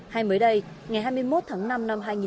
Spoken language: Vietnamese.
hay mới đây ngày hai mươi một tháng năm năm hai nghìn một mươi năm